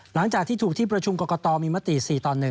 หลังจากที่ถูกที่ประชุมกรกตมีมติ๔ต่อ๑